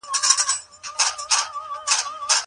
خاوند او ميرمن ډير نژدې او تيروني دوستان دي.